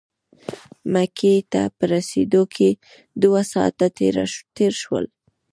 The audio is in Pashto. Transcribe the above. مکې ته په رسېدو کې دوه ساعته تېر شول.